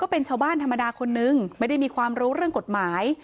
เป็นชาวบ้านธรรมดาคนนึงไม่ได้มีความรู้เรื่องกฎหมาย